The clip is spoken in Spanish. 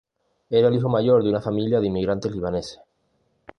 Era el hijo mayor de una familia de inmigrantes libaneses.